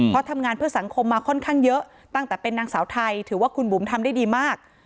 เพราะทำงานเพื่อสังคมมาค่อนข้างเยอะตั้งแต่เป็นนางสาวไทยถือว่าคุณบุ๋มทำได้ดีมาก